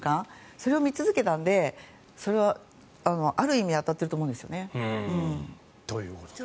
それを見続けたのである意味、当たっていると思うんですよね。ということです。